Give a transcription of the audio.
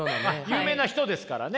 有名な人ですからね。